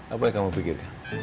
apa yang kamu pikirkan